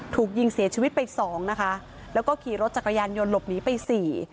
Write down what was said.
ถูกยิงเสียชีวิตไปสองนะคะแล้วก็ขี่รถจักรยานยนต์หลบหนีไปสี่